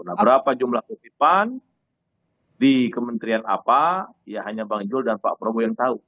nah berapa jumlah kopi pan di kementerian apa ya hanya bang jul dan pak prabowo yang tahu